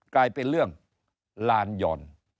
กลายเป็นเรื่องลานหย่อน